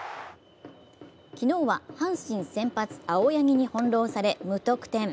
昨日は阪神、先発・青柳に翻弄され無得点。